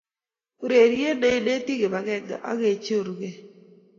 Urerie ne inetii kibakenge ak kecherukei.